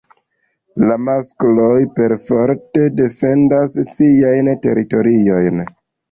La maskloj perforte defendas siajn teritoriojn.